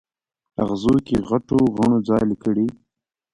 اغزو کې غټو غڼو ځالې کړي